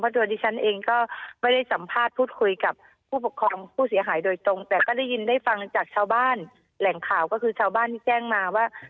ตัวดิฉันเองก็ไม่ได้สัมภาษณ์พูดคุยกับผู้ปกครองผู้เสียหายโดยตรงแต่ก็ได้ยินได้ฟังจากชาวบ้านแหล่งข่าวก็คือชาวบ้านที่แจ้งมาว่า